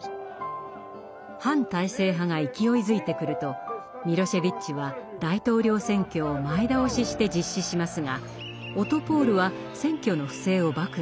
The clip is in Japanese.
反体制派が勢いづいてくるとミロシェヴィッチは大統領選挙を前倒しして実施しますがオトポール！は選挙の不正を暴露。